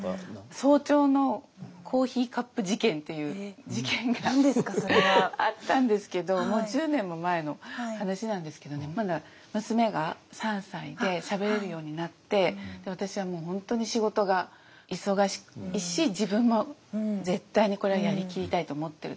早朝のコーヒーカップ事件っていう事件があったんですけどもう１０年も前の話なんですけどねまだ娘が３歳でしゃべれるようになって私はもう本当に仕事が忙しいし自分も絶対にこれはやりきりたいと思ってる時で。